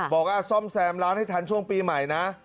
บอกว่าซ่อมแซมร้านให้ทันช่วงปีใหม่นะ